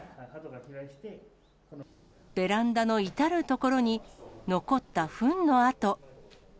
ベランダの至る所に、残ったふんの跡。